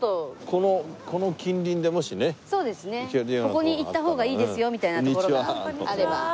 ここに行った方がいいですよみたいな所があれば。